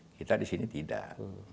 kita disini tidak